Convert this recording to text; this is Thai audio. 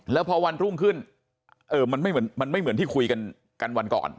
แล้วพอวันรุ่งขึ้นมันไม่เหมือนที่คุยกันวันก่อน